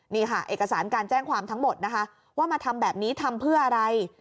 นี่ค่ะเอกสารการแจ้งความทั้งหมดนะคะว่ามาทำแบบนี้ทำเพื่ออะไร